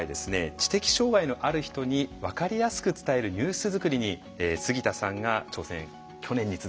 知的障害のある人に分かりやすく伝えるニュース作りに杉田さんが挑戦去年に続いてしたんですよね。